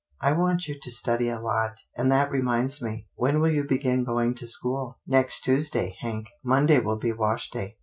I want you to study a lot, and that reminds me — ^when will you begin going to school ?"" Next Tuesday, Hank. Monday will be wash day."